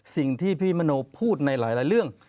สิ่งที่พี่มโนพูดในหลายเรื่อง